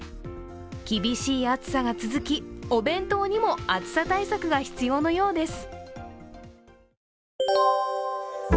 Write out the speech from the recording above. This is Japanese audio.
厳しい暑さが続き、お弁当にも暑さ対策が必要のようです。